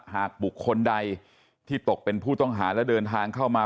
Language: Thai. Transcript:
หากบุคคลใดที่ตกเป็นผู้ต้องหาและเดินทางเข้ามา